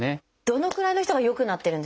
どのくらいの人が良くなってるんですか？